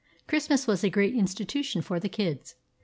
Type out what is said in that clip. Christmas was a great institution for the kids.